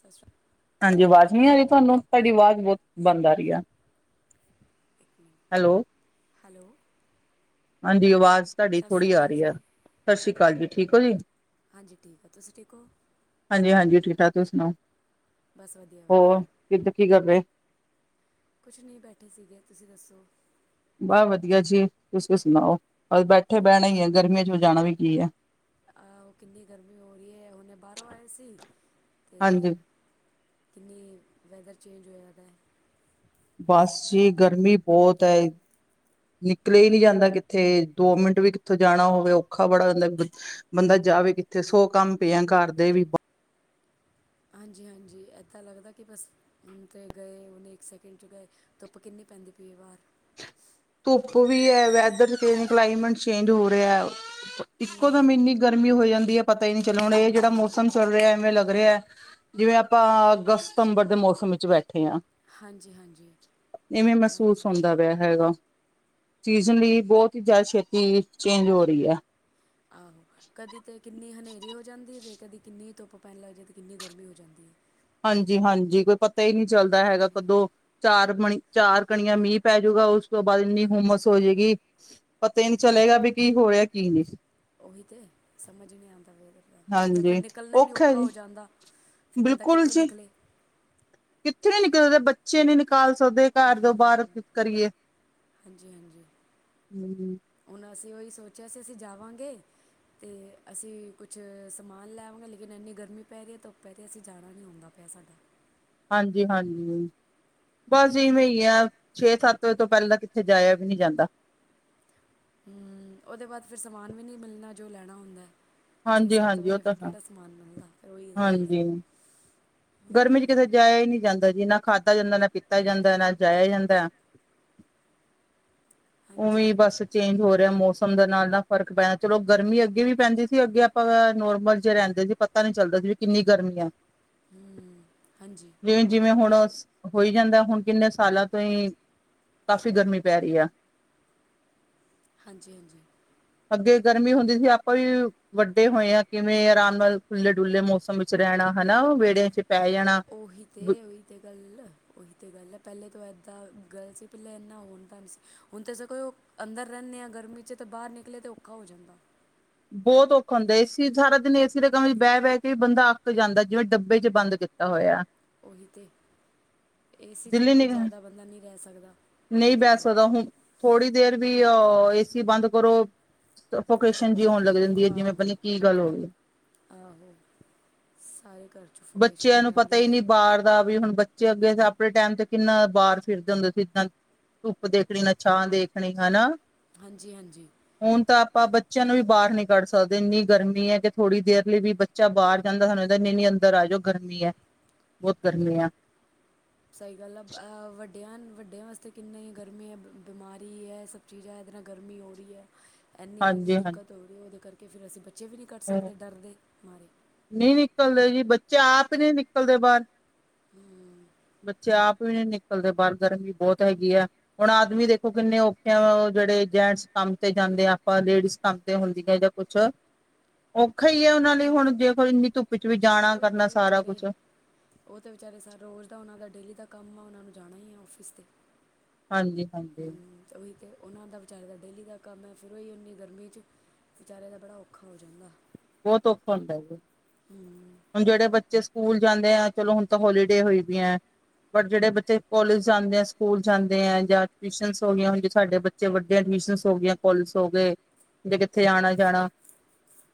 ਸਸ ਹਾਂਜੀ ਆਵਾਜ਼ ਨਹੀਂ ਆ ਰਹੀ ਤੁਹਾਨੂੰ ਤੁਹਾਡੀ ਆਵਾਜ਼ ਬਹੁਤ ਬੰਦ ਆ ਰਹੀ ਆ। ਅਕਾਲ। ਇੱਕ ਮਿੰਟ ਹੈਲੋ ਹੈਲੋ ਹਾਂਜੀ ਆਵਾਜ਼ ਤੁਹਾਡੀ ਸਤਿ ਸ਼੍ਰੀ ਥੋੜ੍ਹ ਆ ਅਕਾਲ ਰਹੀ ਆ। ਜੀ ਸਤਿ ਸ੍ਰੀ ਅਕਾਲ ਜੀ ਠੀਕ ਹੋ ਜੀ। ਹਾਂਜੀ ਠੀਕ ਆ ਤੁਸੀਂ ਠੀਕ ਹੋ ਹਾਂਜੀ -ਹਾਂਜੀ ਠੀਕ ਠਾਕ ਤੁਸੀ ਸੁਣਾਓ। ਬਸ ਵਧੀਆ- ਵਧੀਆ ਕਿੱਦ ਕੀ ਕਰ ਰਹੇ। ਕੁਛ ਨਹੀਂ ਬੈਠੇ ਸੀਗੇ ਤੁਸੀਂ ਦੱਸੋ। ਬਸ ਵਧੀਆ ਜੀ ਤੁਸੀ ਸੁਣਾਓ ਬਸ ਬੈਠੇ ਬਹਿਣਾ ਹੀ ਹੈ ਗਰਮੀਆਂ 'ਚ ਜਾਣਾ ਵੀ ਕੀ ਆ। ਆਹ ਕਿੰਨੀ ਗਰਮੀ ਹੋ ਰਹੀ ਹੈ ਹੁਣ ਇਹ ਬਾਹਰੋਂ ਆਏ ਸੀ ਤੇ ਹਾਂਜੀ ਕਿੰਨੀ ਵੈਦਰ ਚੇਂਜ ਹੋਇਆ ਦਾ ਹੈ। ਬਸ ਜੀ ਗਰਮੀ ਬਹੁਤ ਹੈ। ਨਿਕਲੇ ਹੀ ਨਹੀਂ ਜਾਂਦਾ ਕਿੱਥੇ ਦੋ ਮਿੰਟ ਵੀ ਕਿੱਥੋਂ ਜਾਣਾ ਹੋਵੇ ਔਖਾ ਬੜਾ ਹੋ ਜਾਂਦਾ। ਬੰਦਾ ਜਾਵੇ ਕਿੱਥੇ ਸੌ ਕੰਮ ਪਏ ਆ ਘਰ ਦੇ ਵੀ ਹਾਂਜੀ- ਹਾਂਜੀ ਇੱਦਾਂ ਲੱਗਦਾ ਕਿ ਬਸ ਹੁਣ ਤੇ ਗਏ ਹੁਣ ਇੱਕ ਸੈਕਿੰਡ 'ਚ ਗਏ ਧੁੱਪ ਕਿੰਨੀ ਪੈਂਦੀ ਪਈ ਬਾਹਰ ਧੁੱਪ ਵੀ ਹੈ ਵੈਦਰ ਤੇੇ ਕਲਾਈਮੇਟ ਚੇਂਜ ਹੋ ਰਿਹਾ। ਹੂੰ ਇਕੋ ਦਮ ਹੂੰ ਇੰਨੀ ਹੂੰ ਗਰਮੀ ਹੋ ਜਾਂਦੀ ਹੈ ਪਤਾ ਹੀ ਨਹੀਂ ਚੱਲ ਰਿਹਾ ਹੁਣ ਇਹ ਹਾਂਜੀ ਜਿਹੜਾ ਹਾਂਜੀ ਮੌਸਮ ਚੱਲ ਰਿਹਾ ਐਵੇਂ ਲੱਗ ਰਿਹਾ ਹੈ। ਜਿਵੇਂ ਆਪਾਂ ਅਗਸਤ ਸਤੰਬਰ ਦੇ ਮੌਸਮ ਵਿੱਚ ਬੈਠੇ ਹਾਂ। ਹਾਂਜੀ ਹਾਂਜੀ ਇਵੇਂ ਮਹਿਸੂਸ ਹਾਂਜੀ ਹੁੰਦਾ ਪਿਆ ਹੈਗਾ। ਸੀਜ਼ਨ ਲਈ ਬਹੁਤ ਹੀ ਜ਼ਿਆਦਾ ਛੇਤੀ ਚੇਂਜ ਹੋ ਰਹੀ ਹੈ। ਆਹੋ ਕਦੀ ਤੇ ਕਿੰਨੀ ਹਨੇਰੀ ਹੋ ਜਾਂਦੀ ਹੈ ਤੇ ਕਦੀ ਕਿੰਨੀ ਧੁੱਪ ਪੈਣ ਲੱਗ ਜਾਏ ਤੇ ਕਿੰਨੀ ਗਰਮੀ ਹੋ ਜਾਂਦੀ ਹੈ। ਹਾਂਜੀ-ਹਾਂਜੀ ਕੋਈ ਪਤਾ ਹੀ ਨਹੀਂ ਚੱਲਦਾ ਹੈਗਾ‌ ਹਾਂਜੀ ਕਦੋਂ ਚਾਰ ਮਣੀ ਚਾਰ ਕਣੀਆਂ ਮੀਂਹ ਪੈਜੂਗਾ ਉਸ ਤੋਂ ਬਾਅਦ ਇੰਨੀ ਹੁੰਮਸ ਹੋ ਜਾਏਗੀ। ਪਤਾ ਹੀ ਨਹੀਂ ਚਲੇਗਾ ਵੀ ਕੀ ਹੋ ਰਿਹਾ ਕੀ ਨਹੀਂ ਉਹੀ ਤੇ ਸਮਝ ਨੀ ਆਂਦਾ ਵ ਕਿਤੇ ਫਿਰ ਹਾਂਜੀ ਨਿਕਲਣਾ ਹੀ ਨੀ ਔਖਾ ਜੀ ਹੋ ਜਾਂਦਾ। ਫਿਰ ਬੰਦਾ ਬਿਲਕੁਲ ਕਿੱਥੇ ਜੀ ਨਿਕਲੇ। ਕਿੱਥੇ ਨੀ ਨਿਕਲ ਸਕਦੇ ਬੱਚੇ ਨੀ ਨਿਕਾਲ ਸਕਦੇ। ਘਰ ਦੋ ਬਾਹਰ ਹੂੰ ਕਰੀਏ ਹਾਂਜੀ ਹਾਂਜੀ ਹਾਂਜੀ। ਹੁਣ, ਅਸੀਂ ਉਹੀ ਸੋਚਿਆ ਸੀ ਅਸੀਂ ਜਾਵਾਂਗੇ। ਤੇ ਅਸੀਂ ਕੁਛ ਸਮਾਨ ਲੈਵਾਂਗੇ ਲੇਕਿਨ ਇੰਨੀ ਗਰਮੀ ਪੈ ਰਹੀ ਹੈ ਧੁੱਪ ਪੈ ਰਹੀ ਹੈ ਅਸੀਂ ਜਾਣਾ ਨਹੀਂ ਹੁੰਦਾ। ਪ, ਸਾਡਾ [unintelligible] ਹਾਂਜੀ- ਹਾਂਜੀ ਬਸ ਜਿਵੇਂ ਹੀ ਆ ਛੇ ਸੱਤ ਵਜੇ ਤੋ ਪਹਿਲਾਂ ਤਾਂ ਕਿੱਥੇ ਜਾਇਆ ਵੀ ਨਹੀਂ ਜਾਂਦਾ। ਹੂੰ ਉਹਦੇ ਬਾਅਦ ਫਿਰ ਸਮਾਨ ਵੀ ਨੀ ਮਿਲਣਾ ਜੋ ਲੈਣਾ ਹੁੰਦਾ ਛੇ ਹਾਂਜੀ ਸੱਤ ਹਾਂਜੀ ਉਹ ਵਜੇ ਫਿਰ ਤਾਂ ਹੈ ਕਿਹੜਾ ਸਮ ਮਾਨ ਦਾ ਮਿਲਦਾ ਤੇ ਉਹੀ ਗੱਲ ਹੈ। ਹਾਂਜੀ ਗਰਮੀ 'ਚ ਕਿਤੇ ਜਾਇਆ ਹੀ ਨਹੀਂ ਜਾਂਦਾ ਜੀ ਨਾ ਖਾਧਾ ਜਾਂਦਾ ਨਾ ਪੀਤਾ ਜਾਂਦਾ ਨਾ ਜਾਇਆ ਹੀ ਜਾਂਦਾ। ਹਾਂਜੀ ਉਵੇਂ ਬਸ ਚੇਂਜ ਹੋ ਰਿਹਾ ਮੌਸਮ ਦੇ ਨਾਲ ਫ਼ਰਕ ਪੈ ਰਿਹਾ ਚਲੋ ਗਰਮੀ ਅੱਗੇ ਵੀ ਪੈਂਦੀ ਸੀ ਅੱਗੇ ਆਪਾਂ ਨੋਰਮਲ ਜੇ ਰਹਿੰਦੇ ਸੀ। ਪਤਾ ਨੀ ਚੱਲਦਾ ਸੀ ਵੀ ਕਿੰਨੀ ਗਰਮੀ ਹੈ। [inaudible] ਹਾਂਜੀ ਜਿਵੇਂ-ਜਿਵੇਂ ਹੁਣ ਹੋਈ ਜਾਂਦਾ ਹੁਣ ਕਿੰਨੇ ਸਾਲਾਂ ਤੋਂ ਹੀ ਕਾਫ਼ੀ ਗਰਮੀ ਪੈ ਰਹੀ ਹੈ। ਹਾਂਜੀ- ਹਾਂਜੀ ਅੱਗੇ ਗਰਮੀ ਹੁੰਦੀ ਸੀ ਆਪਾਂ ਵੀ ਵੱਡੇ ਹੋਏ ਆ ਕਿਵੇਂ ਆਰਾਮ ਨਾਲ ਖੁੱਲ੍ਹੇ ਡੁੱਲੇ ਮੌਸਮ ਵਿੱਚ ਰਹਿਣਾ ਹਨਾ ਵਿਹੜਿਆਂ 'ਚ ਪੈ ਜਾਣਾ। ਉਹੀ ਤੇ ਉਈ ਗੱਲ ਉਹੀ ਤੇ ਗੱਲ ਹੈ ਪਹਿਲੇ ਤੋਂ ਇੱਦਾ ਗਏ ਸੀ ਪਹਿਲਾ ਇੰਨਾ ਹੁੰਦਾ ਨੀ ਸੀ ਹੁਣ ਤਾਂ ਸਗੋ ਅੰਦਰ ਰਹਨੇ ਹਾ ਗਰਮੀ ਚ ਤਾ ਬਾਹਰ ਨਿਕਲੇ ਤਾ ਔਖਾ ਹੋ ਜਾਂਦਾ। ਬੋਹਤ ਔਖਾ ਹੁੰਦਾ ਏਸੀ ਸਾਰਾ ਦਿਨ ਏਸੀ ਦੇ ਕਮਰੇ ਵਿੱਚ ਬਹਿ- ਬਹਿ ਕੇ ਬੰਦਾ ਅੱਕ ਜਾਂਦਾ ਜਿਵੇਂ ਡੱਬੇ ਵਿਚ ਬੰਦ ਕੀ ਹੋਇਆ। ਉਹੀ ਤੇ ਏਸੀ ਵਿੱਚ ਦਿੱਲੀ ਵੀ ਕੋਈ ਨੀ ਜਾਦਾ ਬੰਦਾ ਨਈ ਰਹ ਸਕਦਾ ਉਹੀ ਤਾ ਗੱਲ ਥੋੜੀ ਦੇਰ ਵੀ ਏਸੀ ਬੰਦ ਕਰੋ ਸਬੋ ਨ ਜੀ ਹੋਣ ਲੱਗ ਜਾਂਦੀ ਹੈ ਜਿਵੇ ਪਤਾ ਆਹੋ ਨੀ ਕੀ ਗੱਲ ਹੋਗੀ ਏ। ਆਹੋ ਸਾਰੇ ਘਰ 'ਚ ਫੋਕੇਸ਼ਨ ਬੱਚਿਆਂ ਹੋ ਨੂੰ ਪਤਾ ਜਾਂਦੀ ਹੀ ਹੈ ਨੀ ਬਾਰ ਦਾ ਵੀ ਹੁਣ ਬ ਬੱਚੇ ਅੱਗੇ ਆਪਣੇ ਟਾਈਮ ਤੇ ਕਿੰਨਾ ਬਾਰ ਫਿਰਦੇ ਹੁੰਦੇ ਸੀ ਇਦਾ ਧੁੱਪ ਦੇਖਣੀ ਨਾ ਛਾਂ ਦੇਖਣੀ ਹਨਾ। ਹਾਂਜੀ-ਹਾਂਜੀ, ਹੁਣ ਤਾ ਆਪਾ ਬੱ ਬੱਚਿਆ ਨੂੰ ਵੀ ਬਾਰ ਨੀ ਕੱਢ ਸਕਦੇ ਇੰਨੀ ਗਰਮੀ ਹੈ ਕਿ ਥੋੜੀ ਦੇਰ ਲਈ ਵੀ ਬੱਚਾ ਬਾਹਰ ਜਾਂਦਾ ਸਾਨੂੰ ਨੀ-ਨੀ ਅੰਦਰ ਆ ਜੋ। ਗਰਮੀ ਹੈ, ਬਹੁਤ ਗਰਮੀ ਆ। ਸਹੀ ਗੱਲ ਆ ਵੱਡਿਆ, ਵੱਡਿਆਂ ਵਾਸਤੇ ਕਿੰਨੀ ਗਰਮੀ ਹੈ ਬਿਮਾਰੀ ਹੈ। ਚੀਜ਼ ਹੈ ਇਹਦੇ ਨਾਲ ਗਰਮੀ ਹੋ ਰਹੀ ਹੈ। ਇੰਨੀ ਉਨੀ ਹਾਂਜੀ ਦਿੱਕਤ ਹਾਂਜੀ ਹੋਵੇ ਉਹਦੇ ਕਰਕੇ ਫਿਰ ਅਸੀ ਬੱਚਿਆਂ ਨੂੰ ਵੀ ਨੀ ਕੱਢ ਸਕਦੇ ਡਰਦੇ ਮਾਰੇ। ਨੀ ਨਿਕਲਦੇ ਜੀ ਬੱਚੇ ਆਪ ਹੀ ਨੀ ਨਿਕਲਦੇ ਬਾਰ। ਹਮ, ਬੱਚੇ ਆਪ ਵੀ ਨੀ ਨਿਕਲਦੇ ਬਾਰ ਗਰਮੀ ਬੌਤ ਹੈਗੀ ਹੈ। ਹੁਣ ਆਦਮੀ ਦੇਖੋ ਕਿੰਨੇ ਔਖੇ ਆ ਉਹ ਜਿਹੜੇ ਜੈਂਟਸ ਕੰਮ ਤੇ ਜਾਂਦੇ ਆ ਆਪਾ ਲੇਡੀਜ਼ ਕੰਮ ਤੇ ਹੁੰਦੀਆਂ ਜਾਂ ਕੁੱਛ। ਔਖਾ ਹੀ ਹੈ ਉਹਨਾ ਲਈ ਹੁਣ ਜੇਖ ਇੰਨੀ ਧੁੱਪ ਚ ਵੀ ਜਾਣਾ ਉਹੀ ਤੇ ਕਰਨਾ ਸਾਰਾ ਵਿਚਾਰੇ ਕੁਛ। ਉਹ ਤੇ ਵਿਚਾਰੇ ਸਰ ਰੋਜ਼ ਦਾ ਉਹਨਾਂ ਦਾ ਡੇਲੀ ਦਾ ਕੰਮ ਆ ਉਹਨਾ ਨੂੰ ਜਾਣਾ ਹੀ ਆ ਆਫਿਸ ਤੇ। ਹਾਂਜੀ-ਹਾਂਜੀ ਹਮ, ਉਹੀ ਤੇ ਉਹਨਾ ਦਾ ਬਚਾਰੇ ਦਾ ਡੇਲੀ ਦਾ ਕੰਮ ਹੈੈਂ ਫਿਰ ਹੋ ਹਨੀ ਗਰਮੀ ਚ ਵਿਚਾਰੇ ਦਾ ਬੜਾ ਔਖਾ ਹੋ ਜਾਂਦਾ। ਬੋਹਤ ਔਖਾ ਹੁੰਦਾ ਬਈ। ਹਮ, ਹੁਣ ਜਿਹੜੇ ਬੱਚੇ ਸਕੂਲ ਜਾਂਦੇ ਆ ਚਲੋ ਹੁਣ ਤਾਂ ਹੋਲੀਡੇ ਹੋਈ ਦੀਐ। ਪਰ ਜਿਹੜੇ ਬੱਚੇ ਕੋਲਜ ਜਾਂਦੇ ਆ ਸਕੂਲ ਜਾਂਦੇ ਆ ਜਾਂ ਟਿਊਸ਼ਨਸ ਹੋ ਗਈ ਹੁਣ ਸਾਡੇ ਬਚ ਬੱਚੇ ਵੱਡੇ ਟਿਊਸ਼ਨ ਹੋ ਗਈਆ ਹੋ ਗਇਆ ਕੋਲਜ ਹੋ ਗਏ ਜੇ ਕਿੱਥੇ ਆਉਣਾ ਜਾਣਾ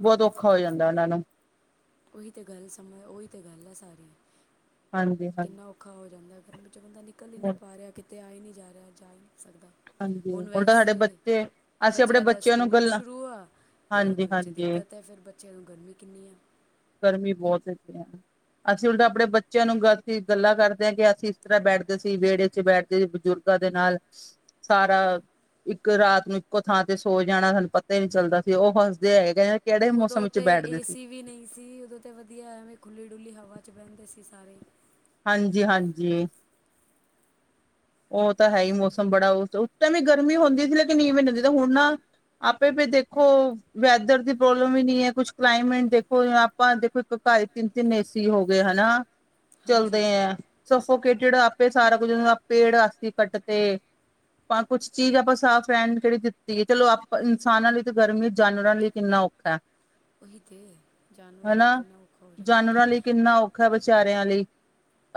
ਬਹੁਤ ਔਖਾ ਹੋ ਜਾਂਦਾ ਉਹਨਾ ਨੂੰ। ਉਹੀ ਤਾਂ ਗੱਲ ਸਮਝ ਉਹੀ ਤਾਂ ਗੱਲ ਹੈ ਸਾਰੀ। ਹਾਂਜੀ ਹਾਂਜੀ ਕਿੰਨਾ ਔਖਾ ਹੋ ਜਾਂਦਾ ਗਰਮੀ ਵਿੱਚ ਬੰਦਾ ਨਿਕਲ ਹੀ ਨੀ ਪਾ ਰਿਹਾ ਕਿਤੇ ਆਏ ਨੀ ਜਾ ਰਿਹਾ ਜਾ ਹੀ ਨੀ ਸਕਦਾ ਹਾਂਜੀ ਹੁਣ ਉਲਟਾ ਸਾਡੇ ਵੈਸੇ ਬੱਚੇ ਅਸੀਂ ਆਪਣੇ ਬੱਚਿਆਂ ਦਾ ਨੂੰ ਸਕੂਲ ਗੱਲਾਂ ਸ਼ੁਰੂ ਆ। ਅਤੇ ਉਹਦੇ ਹਾਂਜੀ ਵਿੱਚ ਹਾਂਜੀ ਦਿੱਕਤ ਹੈ ਫਿਰ ਬੱਚਿਆਂ ਨੂੰ ਗਰਮੀ ਕਿੰਨੀ ਆ। ਗਰਮੀ ਬਹੁਤ ਇਥੇ ਆ ਅਸੀਂ ਉਲਟਾ ਆਪਣੇ ਬੱ ਬੱਚਿਆ ਨੂੰ ਗ ਅਸੀਂ ਗੱਲਾਂ ਕਰਦੇ ਹਾ ਕਿ ਅਸੀ ਇਸ ਤਰ੍ਹਾ ਬੈਠਦੇ ਸੀ ਵਿਹੜੇ ਚ ਬੈਠਦੇ ਸੀ ਬਜ਼ੁਰਗਾ ਦੇ ਨਾਲ। ਸਾਰਾ ਇੱਕ ਰਾਤ ਨੂੰ ਇੱਕੋ ਥਾਂ ਤੇ ਸੋ ਜਾਣਾ ਸਾਨੂੰ ਪਤਾ ਹੀ ਨੀ ਚੱਲਦਾ ਸੀ ਉਹ ਹੱਸਦੇ ਹੈਗੇ ਕਿਹੜੇ ਮੌਸਮ ਉਦੋਂ ਵਿੱਚ ਤੇ ਬੈਠਦੇ ਸੀ ਏਸੀ ਵੀ ਨਈ ਸੀ ਉਦੋ ਤੇ ਵਧੀਆ ਐਵੇ ਖੁੱਲ੍ਹੀ ਡੁੱਲੀ ਹਵਾ ਚ ਬਹਿੰਦੇ ਸੀ ਸਾਰੇ। ਹਾਂਜੀ-ਹਾਂਜੀ ਉਹ ਤਾ ਹੈ ਹੀ ਮੌਸਮ ਬੜਾ ਉਸ ਉਸ ਟਾਈਮ ਵੀ ਗਰਮੀ ਹੁੰਦੀ ਸੀ ਲੇਕਨ ਨਵੇ ਹੁੰਦੀ ਤੇ ਹੁਣ ਨਾ ਆਪੇ ਵੀ ਦੇਖੋ ਵੈਦਰ ਦੀ ਪ੍ਰੋਬਲਮ ਵੀ ਨੀ ਹੈ ਕੁਛ ਕਲਾਈਮੇਟ ਦੇਖੋ ਆਪਾ ਦੇਖੋ ਇੱਕ ਘਰ ਇੰਨੇ ਏਸੀ ਹੋ ਗਏ ਹਨਾ ਚਲਦੇ ਹਾਂਜੀ ਹੈ ਸਫੋਕੇਟਿਡ ਆਪੇ ਸਾਰਾ ਕੁੱਝ ਪੇੜ ਅੱਸੀ ਕੱਟ ਤੇ। ਆਪਾ ਕੁਛ ਚੀਜ਼ ਆਪਾ ਸਾਫ਼ ਰਹਿਣ ਕਿਹੜੀ ਦਿੱਤੀ ਹੈ ਚਲੋ ਆਪਾ ਇਨਸਾਨਾ ਲਈ ਤੇ ਗਰਮੀ ਜਾਨਵਰਾ ਲਈ ਕਿੰਨਾ ਔਖਾ। ਹੀ ਦੇ ਜਾਨਵਰ ਲੇਕਿਨ ਔਖਾ ਹੋ ਜਾਂਦਾ ਔੱਖਾ ਵਿਚਾਰਿਆਂ ਲਈ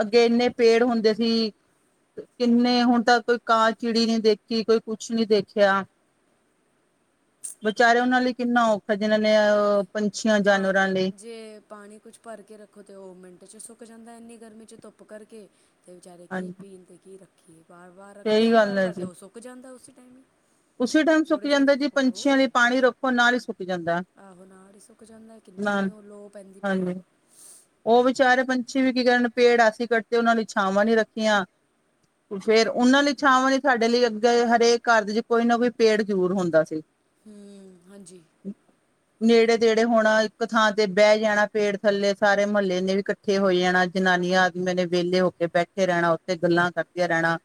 ਅੱਗੇ ਇੰਨੇ ਪੇੜ ਹੁੰਦੇ ਸੀ ਕਿੰਨੇ ਹੁਣ ਤ ਕੋਈ ਕਾਂ ਚਿੜੀ ਨੀ ਦੇਖੀ ਕੋਈ ਕੁਛ ਨਹੀਂ ਵੇਖਿਆ [unintelligible] ਵਿਚਾਰੇ ਉਹਨਾ ਲਈ ਕਿੰਨਾ ਓ ਓਹੀ ਤੇ ਪਾ ਲਈ ਜੇ ਪਾਣੀ ਕੁਛ ਭਰ ਕੇ ਰੱਖੋ ਤੇ ਉਹ ਮਿੰਟ ਚ ਸੁੱਕ ਜਾਂਦਾ ਇੰਨੀ ਗਰਮੀ' ਚ ਧੁੱਪ ਕਰਕੇ। ਅਤੇ ਬੇਚਾਰੇ ਕੀ ਹਾਂਜੀ ਪੀਣ ਅਤੇ ਕੀ ਰੱਖੀਏ ਬਾਰ -ਵਾਰ ਰੱਖਦੇ ਸਹੀ ਆਾਂ ਗੱਲ ਵਾਰ ਵਾਰ ਤੇ ਉਹ ਸੁੱਕ ਜਾਂਦਾ ਉਸੀ ਟਾਈਮ। ਉਸੀ ਟਾਈਮ ਸੁੱਕ ਥੋੜ੍ਹੀ ਦੇਰ ਜਾਂਦਾ ਜੀ ਪੰਛੀਆਂ ਉਹ ਲਈ ਪਾਣੀ ਰੱਖੋ ਨਾਲ ਈ ਸੁੱਕ ਜਾਂਦਾ ਆਹੋ ਨਾਲ ਇ ਸੁੱਕ ਜਾਂਦਾ ਕਿੰਨੀ ਨਾਲ ਉਹ ਲੋ ਪੈਂਦੀ ਪਈ ਆ ਹਾਂਜੀ ਉਹ ਵਿਚਾਰੇ ਪੰਛੀ ਵੀ ਕੀ ਕਰਨ ਪੇੜ ਅਸੀਂ ਕੱਟਦੇ ਉਹਨਾਂ ਲਈ ਛਾਵਾਂ ਨੀ ਰੱਖੀਆਂ ਫੇਰ ਉਹਨਾਂ ਲਈ ਛਾਵਾਂ ਨੀ ਸਾਡੇ ਲਈ ਅੱਗੇ ਹਰੇਕ ਘਰ ਦੇ ਚ ਕੋਈ ਨਾ ਕੋਈ ਪੇੜ ਜ਼ਰੂਰ ਹੁੰਦਾ ਸੀ ਹੂੰ ਹਾਂਜੀ ਇਹ ਤੇ ਨੇੜੇ ਤੇੜੇ ਹੋਣਾ ਇੱਕ ਥਾਂ ਤੇ ਬਹਿ ਜਾਣਾ ਪੇੜ ਥੱਲੇ ਸਾਰੇ ਮੁਹੱਲੇ ਨੇ ਵੀ ਇਕੱਠੇ ਹੋਈ ਜਾਣਾ ਜਨਾਨੀਆਂ ਆਦਮੀਆਂ ਨੇ ਵਿਹਲੇ ਹੋ ਕੇ ਬੈਠੇ ਰਹਿਣਾ ਉਥੇ ਗੱਲਾਂ ਕਰਦੀਆਂ ਰਹਿਣਾ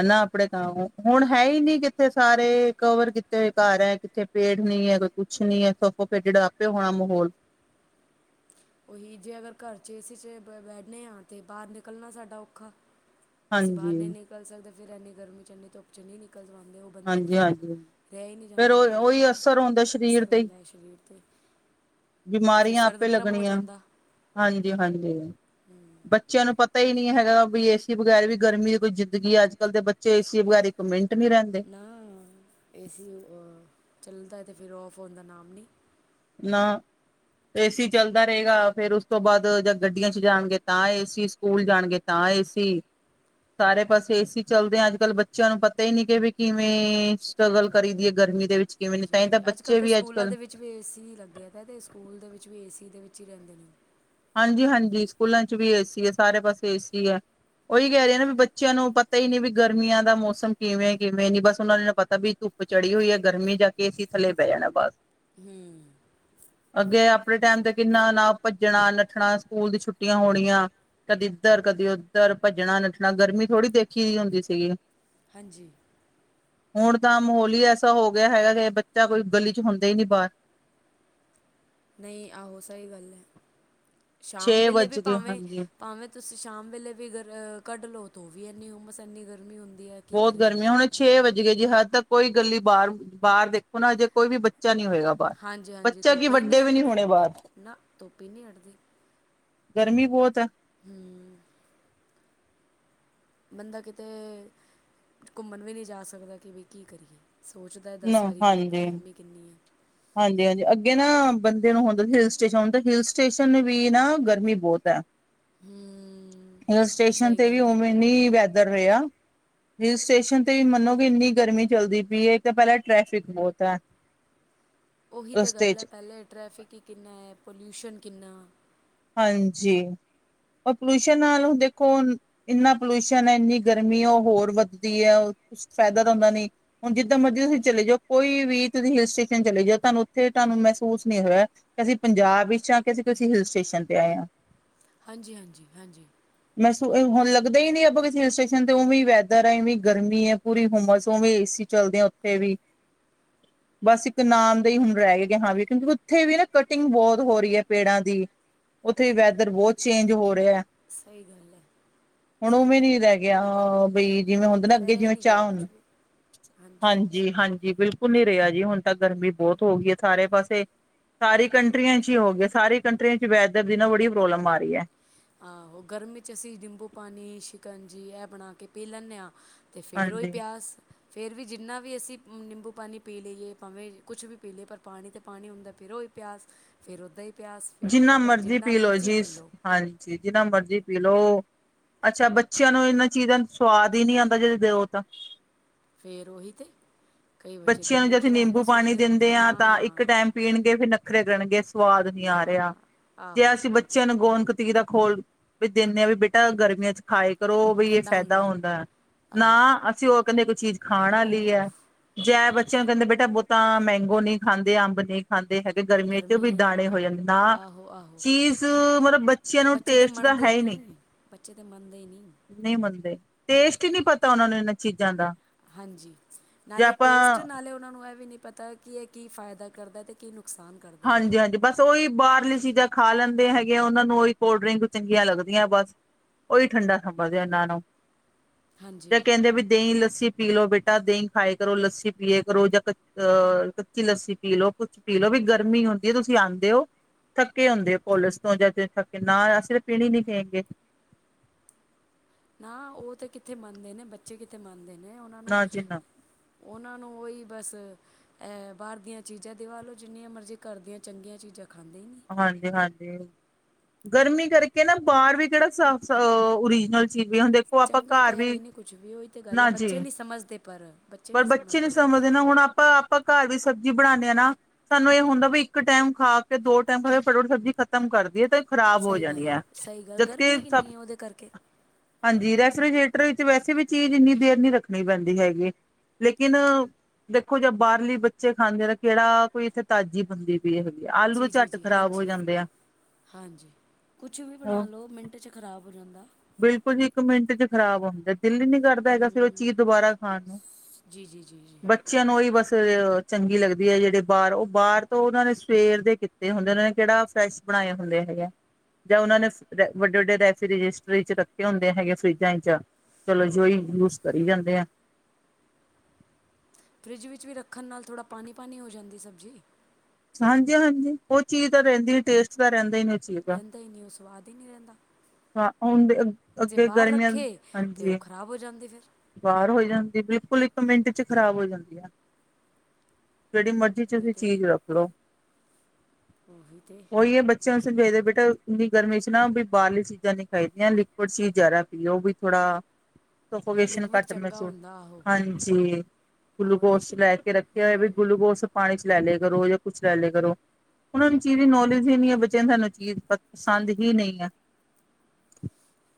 ਹਨਾ ਆਪਣੇ ਕੰ ਹੁਣ ਹੈ ਹੀ ਨ ਕਿੱਥੇ ਸਾਰੇ ਕਵਰ ਕਿਤੇ ਹੋਏ ਘਰ ਹੈ ਕਿੱਥੇ ਪੇੜ ਨੀ ਏ ਕੋਈ ਕੁੱਛ ਨੀ ਏ ਸੋਫੋਕਿਟੇਡ ਤਾਂ ਆਪਿ ਓ ਹੋਣਾ ਮਾਹੌਲ ਉਹੀ ਜੇ ਅਗਰ ਘਰ ਚ ਏਸੀ ਚ ਬ ਬੈਠੇ ਹਾਂ ਤੇ ਬਾਹਰ ਨਿਕਲਣਾ ਸਾਡਾ ਔਖਾ ਅਸੀਂ ਬਾਹਰ ਹਾਂਜੀ ਨਹੀਂ ਨਿਕਲ ਸਕਦੇ ਫ਼ਿਰ ਇੰਨੀ ਗਰਮੀ ਚ ਨੀ ਧੁੱਪ ਚ ਨ ਨਹੀਂ ਨਿਕਲ ਉਂਦੇ ਬੰਦੇ ਨੂੰ ਹਾਂਜੀ ਫਿਰ ਹਾਂਜੀ ਰਹਿ ਹੀ ਨਹੀਂ ਫਿਰ ਜਾਂਦਾ ਉਹ ਉਹਦੇ ਉਹੀ ਅਸਰ ਹੁੰਦਾ ਸਰੀਰ ਅਸਰ ਤੇ ਹੀ, ਹੁੰਦਾ ਹੈ ਸਰੀਰ 'ਤੇ ਅਤੇ ਫਿਰ ਬਿਮਾਰੀਆਂ ਸਰਦ ਆਪੇ ਗਰਮ ਹੋ ਲਗਣੀਆਂ, ਜਾਂਦਾ ਹਾਂਜੀ, ਹਾਂਜੀ। ਬੱਚੇਆਂ ਨੂ ਪਤਾ ਈ ਨੀ ਹੈਗਾ ਬਈ ਏਸੀ ਬਗੈਰ ਵੀ ਗਰਮੀ ਦੀ ਕੋਈ ਜਿੰਦਗੀ ਅਜ ਕਲ ਦੇ ਬ ਬੱਚੇ ਏਸੀ ਬਗੈਰ ਇਕ ਮਿੰਟ ਨੀ ਰੈਂਦ ਨਾ, ਏਸੀ ਅ ਚੱਲਦੈ ਤੇ ਫੇਰ ਔਫ਼ ਹੋਨ ਦਾ ਨਾਮ ਨੀ। ਨਾ। ਏਸੀ ਚਲਦਾ ਰੇਗਾ ਫੇਰ ਓਸ ਤੋਂ ਬਾਦ ਜਦ ਗੱਡੀਆਂ ਚ ਜਾਣਗੇ ਤਾਂ ਏਸੀ ਸਕੂਲ ਜਾਣਗੇ ਤਾਂ ਏਸੀ ਸਾਰੇ ਪਾਸੇ ਏਸੀ ਚਲਦੇ ਐਂ ਅਜ ਕਲ ਬੱਚਿਆਂ ਨੂ ਪਤਾ ਈ ਨੀ ਕੇ ਵੀ ਕਿਵੇਂ ਸਟ੍ਰਗਲ ਕਰੀ ਦੀਏ ਗਰਮੀ ਦੇ ਵਿਚ ਹਾਂਜੀ, ਹਾਂਜੀ ਅਜ ਕਲ ਤੇ ਸਕੂਲਾਂ ਦੇ ਵਿੱਚ ਵਿੱਚ ਵੀ ਏ ਸੀ ਈ ਲਗੇਆ ਦੈ ਤੇ ਸੂਕੂਲ ਦੇ ਵਿਚ ਵੀ ਏ ਸੀ ਦੇ ਵਿਚ ਹੀ ਰੈਂਦੇ ਨੇ। ਹਾਂਜੀ, ਹਾਂਜੀ ਸਕੂਲਾਂ ਚ ਵੀ ਏਸੀ ਏ ਸਾਰੇ ਪਾਸੇ ਏਸੀ ਐ। ਓਈ ਕੈਰੀ ਆਨਾ ਵੀ ਬੱਚੇਆਂ ਨੂ ਪਤਾ ਈ ਨੀ ਵੀ ਗਰਮੀਆਂ ਦਾ ਮੌਸਮ ਕਿਵੇਂ, ਕਿਵੇਂ ਨੀ ਬਸ ਓਨਾ ਨੂ ਨਾ ਪਤਾ ਵੀ ਧੁੱਪ ਚੜੀ ਹੋਈ ਐ ਗਰਮੀ ਜਾ ਕੇ ਏਸੀ ਥੱਲੇ ਬੈ ਜਾਣਾ ਬਸ। ਹੁਂ ਅਗੇ ਅਪਣੇ ਟੈਮ ਤੇ ਕਿੰਨਾ ਨਾ ਭੱਜਣਾ ਨੱਠਣਾ ਸਕੂਲ ਦੀ ਛੁੱਟੀਆਂ ਹੋਣੀਆਂ ਕਦੀ ਇੱਧਰ ਕਦੀ ਉੱਧਰ ਭੱਜਣਾ ਨੱਠਣਾ ਗਰਮੀ ਥੋੜ੍ਹੀ ਦੇਖੀ ਦੀ ਹੁੰਦੀ ਸੀਗੀ ਹਾਂਜੀ ਹੁਣ ਤਾਂ ਮਾਹੌਲ ਇ ਐਸਾ ਹੋ ਗਿਆ ਹੈਗਾ ਕਿ ਬੱਚਾ ਕੋਈ ਗਲੀ ਚ ਹੁੰਦਾ ਈ ਨਹੀਂ ਬਾਹਰ ਨਈ ਆਹੋ ਸਈ ਗਾਲੈ, ਸ਼ਾਮ ਛੇ ਵੇਲੇ ਵੀ ਵੱਜ ਗਏ ਭਾਵੇਂ, ਹਾਂਜੀ ਭਾਵੇਂ ਤੂਸੀ ਸ਼ਾਮ ਵੇਲੇ ਵੀ ਅਗਰ ਕੱਡ ਲੋ ਤੋ ਵੀ ਏਨੀ ਹੂਮਸ ਏਨੀ ਗਰਮੀ ਹੁੰਦੀ ਐ। ਬੋਤ ਗਰਮੀ ਏ ਹੁਣੇ ਛੇ ਵੱਜਗੇ ਜੀ ਹਜੇ ਤਕ ਕੋਈ ਗੱਲੀ ਬਾਰ, ਬਾਰ ਦੇਖੋ ਨਾ ਅਜੇ ਕੋਈ ਵੀ ਬੱਚਾ ਨੀ ਹੋਏਗਾ। ਬਾਹਰ ਹਾਂਜੀ, ਹਾਂਜੀ ਬੱਚਾ ਕੀ ਧੁੱਪ ਈ ਨੀ ਵੱਡੇ ਵੀ ਨਹੀਂ ਹੱਟਦੀ, ਹੋਣੇ ਬਾਹਰ ਨਾ ਧੁੱਪ ਈ ਨੀ ਹੱਟਦੀ। ਗਰਮੀ ਬੋਤ ਐ ਹੂੰ ਬੰਦਾ ਕਿਤੇ, ਘੁੰਮਣ ਵੀ ਨੀ ਜਾ ਸਕਦਾ ਕਿ ਵੀ ਕੀ ਕਰੀਏ। ਸੋਚਦੈ ਨਾ ਦਸ ਵਾਰੀ ਕਿ ਬੰਦਾ ਹਾਂਜੀ ਗਰਮੀ ਕਿੰਨੀ ਏ। ਹਾਂਜੀ, ਹਾਂਜੀ ਅਗੇ ਨਾ ਬੰਦੇ ਨੂੰ ਹੋਂਦਾ ਸੀ ਹਿਲ ਸਟੇਸ਼ਨ ਹੁਨ ਤਾਂ ਹਿਲ ਸਟੇਸ਼ਨ ਵੀ ਨਾ, ਗਰਮੀ ਬੋਤ ਐ। ਹੂੰ ਹੀਲ ਸਟੇਸ਼ਨ ਸਹੀ ਤੇ ਵੀ ਗੱਲ ਹੈ ਓਵੇ ਨੀ, ਵੈਦਰ ਰੇਆ। ਹੀਲ ਸਟੇਸ਼ਨ ਤੇ ਵੀ ਮੰਨੋਗੇ ਏਨੀ ਗਰਮੀ ਚਲਦੀ ਪੀਏ, ਇਕ ਤਾਂ ਪੈਲਾਂ ਟ੍ਰੈਫਿਕ ਬੋਤੈ। ਓਹੀ ਤੇ ਗੱਲੈ ਪੈਲੇ ਟ੍ਰੈਫਿਕ ਈ ਕਿਨਾ ਐ ਪੋਲੂਸ਼ਨ ਕਿਨਾ। ਹਾਂਜੀ, ਅ ਪਲੂਸ਼ਨ ਨਾਲ ਦੇਖੋ ਹੁਨ ਇਨਾ ਪਲੂਸ਼ਨ ਐ ਐਨੀ ਗਰਮੀ ਓ ਹੋਰ ਵੱਦਦੀ ਐ, ਕੁੱਛ ਫੈਦਾ ਤਾ ਹੁੰਦਾ ਨੀ ਹੁਨ ਜਿੱਦਾਂ ਮਰਜੀ ਤੂਸੀ ਚਲੇ ਜੋ, ਕੋਈ ਵੀ ਤੂਸੀ ਹੀਲ ਸਟੇਸ਼ਨ ਚਲੇ ਜੋ ਤੂਆਨੂ ਓੱਥੇ ਤੂਆਨੂ ਮੈਸੂਸ ਨੀ ਹੋਏਆ ਅਸੀਂ ਪੰਜਾਬ ਇਚ ਆਂ, ਕੇ ਅਸੀ ਕਿਸੀ ਹੀਲ ਸਟੇਸ਼ਨ ਤੇ ਆਏ ਆਂ ਹਾਂਜੀ-ਹਾਂਜੀ, ਹਾਂਜੀ। ਮੈਸੁ ਹੋਨ ਲਗਦਾ ਈ ਨੀ, ਅਪਾਂ ਕਿਸੀ ਹੀਲ ਸਟੇਸ਼ਨ ਤੇ ਓਵੇ ਈ ਵੈਦਰ ਐ ਐਵੀ ਗਰਮੀ ਐ ਪੂਰੀ ਹੁਮਸ ਓਵੀ, ਏਸੀ ਚਲਦੈ ਆਂ ਓਥੇ ਵੀ। [inaudible] ਬਸ ਇੱਕ ਨਾਮ ਦਾ ਈ ਹੁਨ ਰੈ ਗੇਆ, ਹਾਂ ਵੀ ਕੇਓਕਿ ਉੱਥੇ ਵੀ ਨਾ ਕਟਿੰਗ ਬੋਤ ਹੋ ਰੀ ਐ ਪੇੜਾਂ ਦੀ। ਓਥੇ ਵੈਦਰ ਬੋਤ ਚੇਂਜ ਹੋ ਰੇਐ। ਸਈ ਗਲ ਐ। ਹੋਣ ਓਵੇਂ ਨੀ ਰੈ ਗੇਆ ਅ, ਬਈ ਜਿਵੇਂ ਹੋਂਦੇ ਨਾ ਉੱਦਾਂ ਅਗੇ ਰਹਿ ਹੀ ਜਿਵੇਂ ਨਹੀਂ ਚਾਅ ਗਿਆ ਕੁਛ ਹੁੰ ਵੀ ਹਾਂਜੀ ਹਾਂਜੀ-ਹਾਂਜੀ, ਬਿਲਕੁਲ। ਹੁਨ ਨੀ ਰੇਆ ਜੀ, ਹੋਣ ਤਾ ਗਰਮੀ ਬੋਤ ਹੋ ਗੀਆ ਸਾਰੇ ਪਾਸੇ, ਸਾਰੀ ਕੰਟਰੀਆਂ ਚ ਈ ਹੋਗੇ ਆ ਸਾਰੀ ਕੰਟਰੀਆਂ ਚ ਵੈਦਰ ਦੀ ਨਾ, ਬੜੀ ਪ੍ਰੋਬਲਮ ਆ ਰੀਐ। ਆਹੋ, ਗਰਮੀ ਚ ਅਸੀ ਨਿੰਬੂ ਪਾਨੀ, ਸ਼ਿਕੰਜੀ ਐ ਬਣਾ ਕੇ ਪੀ ਲੈਂਨੇ ਆ ਤੇ ਫੇਰ ਓਈ ਹਾਂਜੀ ਪੇਆਸ ਫਿਰ ਵੀ ਜਿੰਨਾ ਵੀ ਅਸੀ ਨਿੰਬੂ ਪਾਨੀ ਪੀ ਲਈ ਏ, ਭਾਵੇਂ ਕੁਛ ਵੀ ਪੀ ਲੀਏ, ਪਰ ਪਾਣੀ ਤੇ ਪਾਣੀ ਹੁੰਦੈ ਫਿਰ ਪੇਆਸ, ਫੇਰ ਓਦਾਂ ਈ ਪੇਆਸ, ਫੇਰ ਜਿੰਨਾ ਓਦਾਂ ਪੇਆ ਮਰਜ਼ੀ ਜਿੰਨਾ ਪੀ ਲਓ ਮਰਜੀ ਜੀ ਪੀ ਲੋ। ਹਾਂਜੀ, ਜਿੰਨਾ ਮਰਜੀ ਪੀ ਲੋ ਅੱਛਾ ਬੱਚੇਆਂ ਨੂੰ ਏਨਾਂ ਚੀਜਾਂ ਦਾ ਸਵਾਦ ਈ ਨੀ ਆਂਦਾ, ਜੇ ਦੇਓ ਤਾਂ। ਫੇਰ ਓਹੀ ਤੇ। ਕਈ ਬੱਚੇ ਤਾਂ ਬੱਚੇਆਂ ਨੂੰ ਜੇ ਮੂੰਹ ਅਸੀ ਨੇਂਬੂ ਚੜਾਉਂਦੇ ਸੁੱਟ ਪਾਣੀ ਦੇਂਦੇ ਦਿੰਦੇ ਆਂ ਨਾ ਤਾਂ, ਨਾ ਇੱਕ ਟੈਮ ਪੀਣਗੇ ਫਿਰ ਨਖਰੇ ਕਰਣਗੇ ਸਵਾਦ ਨੀ ਨਾ ਆ ਰੇਆ, ਜੇ ਆਹੋ ਅਸੀ ਬ ਬੱਚੇਆਂ ਨੂੰ ਗੋਂਦਕਤੀਰਾ ਖੋਲ, ਵੀ ਦੇਨੇ ਆਂ ਵੀ ਬੇਟਾ ਗਰਮੀਆਂ ਚ ਖਾਏ ਕਰੋ ਬਈ ਐ ਠੰਡਾ ਫੈਦਾ ਹੁੰਦਾ ਹੁੰਦੈ, ਨਾ ਆਹੋ ਅਸੀ ਓ ਕੈਂਦੇ ਕੋਈ ਚੀਜ ਖਾਣ ਆਲੀ ਉਹ ਐ। ਐ ਉਹ ਬਚੇਆ ਦੇਨੇ ਬੇਟਾ, ਬੋਤਾ ਮੈਂਗੋ ਨੀ ਖਾਂਦੇ ਆੰਬ ਨੀ ਖਾਂਦੇ ਹੈਗੇ ਗਰਮੀਆਂ ਚ ਵੀ ਗਰਮੀ ਹੈ ਦਾਣੇ ਹੋ ਆਹੋ ਜਂਦੇ ਨਾ। ਆਹੋ ਆਹੋ ਚੀਜ਼ ਮਲਬ ਬੱਚੇਆਂ ਨੁੰ ਬੱਚੇ ਤਾਂ ਟੇਸਟ ਦਾ ਮੰਨਦੇ ਹੀ ਹੈ ਈ ਨੀ। ਨਹੀਂ ਬੱਚੇ ਤੇ ਮੰਨਦੇ ਈ ਨੀ। ਨੀ ਮੰਨਦੇ ਟੇਸਟ ਈ ਨੀ ਪਤਾ ਓਨਾਂ ਨੁੰ ਏਨਾ ਚੀਜਾਂ ਦਾ। ਹਂਜੀ, ਜੇ ਨਾਲੇ ਆਪਾਂ ਟੇਸਟ ਨਾਲੇ ਓਨਾਂ ਨੁੰ ਐ ਵੀ ਨੀ ਪਤਾ, ਕਿ ਏ ਕੀ ਫਾਏਦਾ ਕਰਦੈ, ਤੇ ਕੀ ਨੁਕਸਾਨ ਕਰਦੇ ਨੇ ਹਾਂਜੀ-ਹਾਂਜੀ, ਬਾਸ ਤੇ ਓਈ ਬਾਰਲੀ ਚੀਜਾਂ ਖਾ ਲੈਂਦੇ ਹੈਗੇ ਆ, ਓਨਾਂ ਨੁੰ ਓਈ ਕੋਲਡਰਿੰਗ ਚੰਗੀਆਂ ਲੱਗਦੀਆਂ ਬਾਸ। ਓਈ ਠੰਡਾ ਥਵਾ ਦੋ ਐਨਾ ਨੂ, ਜਾਂ ਹਾਂਜੀ ਕੈਂਦੇ ਆ ਵੀ ਦਈਂ ਲੱਸੀ। ਪੀ ਲੋ ਬੇਟਾ, ਦਹੀਂ ਖਾਏ ਕਰੋ, ਲੱਸੀ ਪੀਏ ਕਰੋ ਜਦ ਤਕ ਅ, ਕੱਚੀ ਲੱਸੀ ਪੀ ਲੋ, ਕੁਛ ਪੀ ਲੋ ਵੀ ਗਰਮੀ ਹੋਂਦੀ ਏ ਤੂਸੀ ਆਂਦੇ ਓ ਥੱਕੇ ਹੋਂਦੈ ਐ ਕੋਲੇਸ ਤੋਂ, ਜੇ ਥੱਕੇ ਨਾ ਅਸੀ ਤੇ ਪੀਣੀ ਨੀ ਕੇਂਗੇ। ਨਾ ਓ ਤੇ ਕਿੱਥੇ ਮੰਨਦੇ ਨੇ, ਬੱਚੇ ਕਿੱਥੇ ਮੰਨਦੇ ਨੇ, ਓਨਾ ਨੂ ਨਾ ਜੀ ਨਾ ਓਨਾਂ ਨੂੰ ਓਈ ਬਸ ਐ ਬਾਰ ਦੀਆਂ ਚੀਜਾ ਦਿਵਾ ਲੋ ਜਿੰਨੀਆਂ ਮਰਜੀ, ਘਾਰ ਦੀਆਂ ਚੰਗੀਆਂ ਚੀਜਾਂ ਖਾਂਦੇ ਈ ਨੀ। ਹਾਂਜੀ-ਹਾਂਜੀ, ਗਰਮੀ ਕਰਕੇ ਨਾ ਬਾਰ ਵੀ ਕੇੜਾ ਸ ਸ, ਅ ਓਰੀਜਨਲ ਚੀਜ਼ ਵੀ ਹੁਣ ਦੇਖੋ ਆਪਾਂ ਚੰਗਾ ਤੇ ਘਰ ਹੈ ਵੀ ਈ ਨੀ ਕੁਛ ਵੀ, ਓਈ ਤੇ ਗੱਲ ਐ ਨਾ ਜੀ ਬੱਚੇ ਨੀ ਸਮਜਦੇ ਪਰ ਬ ਪਰ ਬੱਚੇ ਨੀ ਸਮਜਦੇ ਨਾ, ਹੋਣ ਆਪਾਂ, ਆਪਾਂ ਘਾਰ ਦੀ ਸਬਜੀ ਬਣਾਨੇ ਆ ਨਾ ਸਾਨੂੰ ਏ ਹੋਂਦਾ ਵੀ ਇੱਕ ਟੈਮ ਖਾ ਕੇ ਦੋ ਟੈਮ ਫਟਾ-ਫਟ ਸਬਜੀ ਖਤਮ ਕਰਦੀਏ ਤੇ ਖ਼ਰਾਬ ਹੋ ਸਹੀ ਜਾਣੀ ਗੱਲ ਆ ਹੈ, ਸਹੀ ਗੱਲ ਜਦਕੇ ਗਰਮੀ ਸਬ ਕਿੰਨੀ ਹੈ ਉਹਦੇ ਕਰਕੇ ਹਂਜੀ, ਰੈਫ੍ਰੇਰੀਜਰੇਟਰ ਵਿੱਚ ਵੈਸੇ ਵੀ ਚੀਜ ਇੰਨੀ ਦੇਰ ਨੀ ਰੱਖਣੀ ਪੈਂਦੀ ਹੈਗੀ। ਲੇਕਿਨ ਦੇਖੋ ਜੇ ਬਾਰਲੀ ਬਚੇ ਖਾਂਦੇ ਨੇ ਕੇੜਾ ਕੋਈ ਇੱਥੇ ਤਾਜੀ ਬੰਦੀ ਪਈ ਏ ਜੀ, ਜੀ, ਜੀ ਹਾਂਜੀ, ਹਾਂਜੀ ਕੁਛ ਵੀ ਬਣਾ ਹਾਂ। ਲੋ ਮਿੰਟ ਵਿਚ ਖਰਾਬ ਹੋ ਜਾਂਦਾ। ਬਿਲਕੁਲ ਜੀ ਇੱਕ ਮਿੰਟ ਚ ਖ਼ਰਾਬ ਹੁੰਦੈ। ਦਿਲ ਈ ਨੀ ਕਰਦਾ ਹੈਗਾ ਫਿਰ ਓ ਹੂੰ ਚੀਜ ਦੁਬਾਰਾ ਖਾਣ ਨੁੰ। ਜੀ, ਜੀ, ਜੀ, ਜੀ। ਬੱਚੇਆਂ ਨੁੰ ਓਹੀ ਬਸ ਚੰਗੀ ਲੱਗਦੀ ਏ, ਜੇੜੇ ਬਾਹਰ ਤੋਂ ਬਾਹਰ ਤੋਂ ਓਨਾ ਨੇ ਸਵੇਰ ਦੇ ਓਨਾ ਨੇ ਕੇੜਾ ਫਰੈਸ਼ ਬਣਾਏ ਹੁੰਦੇ ਹੈਗੇ ਏ ਜਾਂ ਓਨਾ ਨੇ ਵੱਡੇ, ਵੱਡੇ ਰੈਫ ਰਸੋਈ ਚ ਰੱਖੇ ਹੁੰਦੇ ਹੈਗੇ ਫਰਿਜਾਂ ਚ ਚਲੋ ਜੋ ਓਈ ਯੂਜ ਕਰੀ ਜਾਂਦੇ ਆ। ਫਰਿੱਜ ਵਿੱਚ ਵੀ ਰੱਖਨ ਨਾਲ ਥੋੜਾ ਪਾਨੀ, ਪਾਨੀ ਹੋ ਜਾਂਦੀ ਸਬਜੀ। ਹਾਂਜੀ, ਹਾਂਜੀ ਓ ਚੀਜ ਤਾਂ ਰੈਂਦੀ ਨੀ ਟੇਸਟ ਤਾਂ ਰੈਂਦਾ ਨੀ ਚੀਜ਼ ਦਾ ਹੋਂਦਾ ਈ ਨੀ ਓ ਸਵਾਦ ਈ ਨੀ ਰੈਂਦਾ। ਹਾਂ ਹੁਣ ਦੇ ਜੇ ਅੱਗੇ ਬਾਰ ਗਰਮੀਆਂ ਰਖੇ ਤੇ ਓ ਖ਼ਰਾਬ ਹੋ ਜਾਂਦੀ ਫੇਰ। ਬਾਅਰ ਹੋ ਜਾਂਦੀ ਐ ਬਿਲਕੁਲ ਇੱਕ ਮਿੰਟ ਚ ਖ਼ਰਾਬ ਹੋ ਜਾਂਦੀ ਏ। ਜੇੜੀ ਮਰਜ਼ੀ ਉਹੀ ਕਿਚੇਨ ਚ ਤੇ ਚੀਜ ਰੱਖ ਲੋ ਉਹੀ ਤੇ ਓ ਈ ਏ ਬ ਸਮਝਾਈ ਦੈ ਬੇਟਾ ਇੰਨੀ ਗਰਮੀ ਚ ਨਾ ਕੋਈ ਬਾਰਲੀ ਚੀਜਾਂ ਨੀ ਖਾਈਦੀਆਂ ਲਿਕੁੱਡ ਚੀਜ ਜਾਦਾ ਪੀਓ ਵੀ ਥੋੜਾ [inaudible] ਲਿਕਵਿਡ ਚੰਗਾ ਹੁੰਦਾ ਆਹੋ [inaudible] ਆਹੋ ਗੁਲੂਕੋਸ ਲੇਕਿਨ ਲੈ ਕੇ ਰਖੇਆ ਹੋਆ ਵੀ ਹੂੰ ਗੁਲੂਕੋਸ ਪਾਣੀ ਚ ਲੈ ਲੇਆ ਕਰੋ ਯਾ ਗੁਲੂਗੋਸ ਲੈ ਲੇਆ ਕਰੋ। ਓਨਾ ਨੁੰ ਚੀਜ ਦੀ ਨੌਲੇਜ ਈ ਨੀ ਏ। ਬਚੇਆਂ ਨੁੰ ਸਾਨੂੰ ਚੀਜ ਪਸੰਦ ਹੀ ਨਈ ਏ।